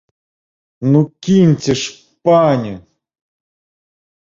Ну, кіньце ж, пане!